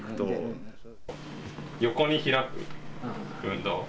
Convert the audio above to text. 横に開く運動。